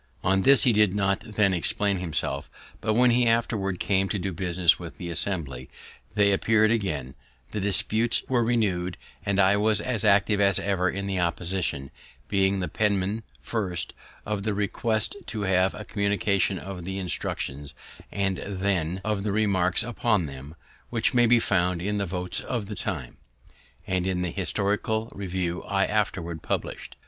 On this he did not then explain himself; but when he afterwards came to do business with the Assembly, they appear'd again, the disputes were renewed, and I was as active as ever in the opposition, being the penman, first, of the request to have a communication of the instructions, and then of the remarks upon them, which may be found in the votes of the time, and in the Historical Review I afterward publish'd.